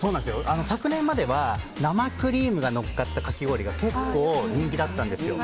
昨年までは生クリームがのっかったかき氷が結構人気だったんですよ。